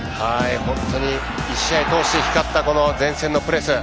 本当に１試合を通して光った前線のプレス。